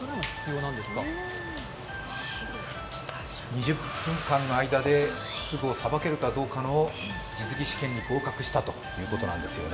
２０分間の間でフグをさばけるかどうかの実技試験に合格したそうです。